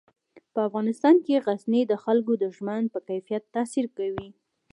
په افغانستان کې غزني د خلکو د ژوند په کیفیت تاثیر کوي.